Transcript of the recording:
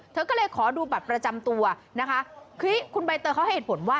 เธอก็เลยขอดูบัตรประจำตัวนะคะคือคุณใบเตยเขาให้เหตุผลว่า